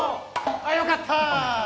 あ、よかった。